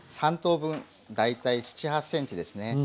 ３等分大体７８ｃｍですね